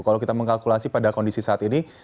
kalau kita mengkalkulasi pada kondisi saat ini